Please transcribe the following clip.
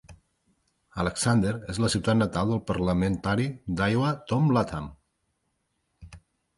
Alexander és la ciutat natal del parlamentari d'Iowa Tom Latham.